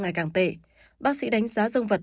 ngày càng tệ bác sĩ đánh giá dương vật